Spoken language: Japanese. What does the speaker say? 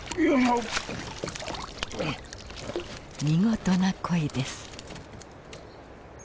見事なコイです！